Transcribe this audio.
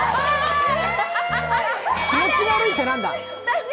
気持ち悪いって何だ？